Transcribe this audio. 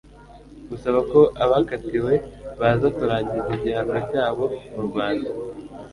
gusaba ko abakatiwe baza kurangiriza igihano cyabo mu rwanda